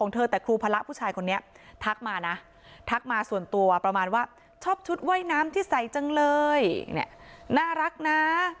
ทักมานะทักมาส่วนตัวประมาณว่าชอบชุดว่ายน้ำที่ใส่จังเลยน่ารักนะ